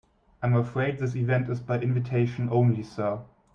I'm afraid this event is by invitation only, sir.